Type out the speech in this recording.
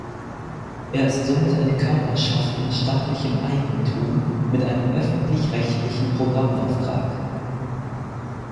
Er ist somit eine Körperschaft in staatlichem Eigentum mit einem öffentlich-rechtlichen Programmauftrag.